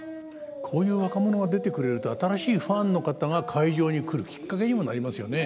こういう若者が出てくれると新しいファンの方が会場に来るきっかけにもなりますよね。